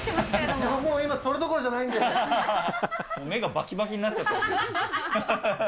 もう今それどころじゃないん目がばきばきになっちゃってる。